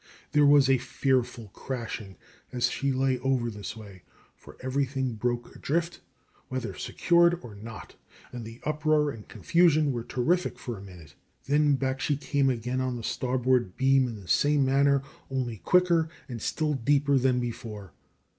There was a fearful crashing as she lay over this way, for everything broke adrift, whether secured or not, and the uproar and confusion were terrific for a minute, then back she came again on the starboard beam in the same manner, only quicker, and still deeper than before.